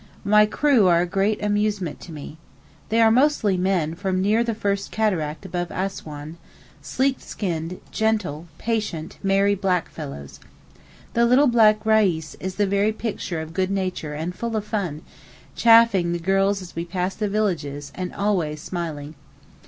My crew are a great amusement to me. They are mostly men from near the first Cataract above Assouan, sleek skinned, gentle, patient, merry black fellows. The little black Reis is the very picture of good nature and full of fun, 'chaffing' the girls as we pass the villages, and always smiling.